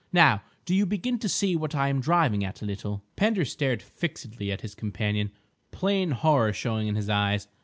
Now, do you begin to see what I am driving at a little?" Pender stared fixedly at his companion, plain horror showing in his eyes.